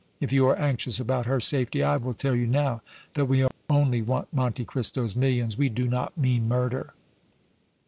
If you are anxious about her safety, I will tell you now that we only want Monte Cristo's millions; we do not mean murder."